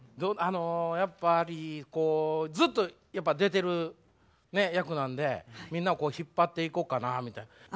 あのやっぱりこうずっと出てる役なんでみんなを引っ張っていこうかなみたいな。